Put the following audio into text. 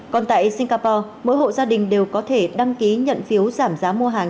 còn tại singapore mỗi hộ gia đình đều có thể đăng ký nhận phiếu giảm giá mua hàng